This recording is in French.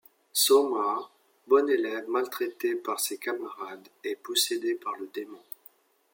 Sôma, bon élève, maltraité par ses camarades, est possédé par le démon.